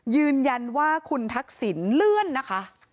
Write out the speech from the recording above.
ยืนยันว่าคุณทักษิณเลื่อนนะคะ